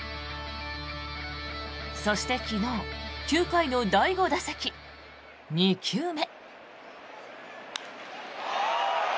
そして、昨日９回の第５打席、２球目。